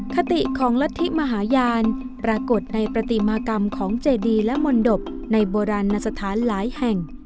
คติของรัฐธิมหาญาณปรากฏในปฏิมากรรมของเจดีและมนตบในโบราณสถานหลายแห่ง